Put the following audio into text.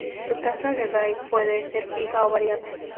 Su tasa de bits puede ser fija o variable.